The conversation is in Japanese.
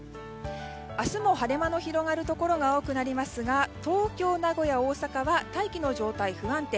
明日も晴れ間の広がるところが多くなりますが東京、名古屋、大阪は大気の状態が不安定。